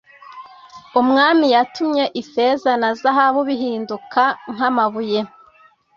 Umwami yatumye ifeza na zahabu bihinduka nk amabuye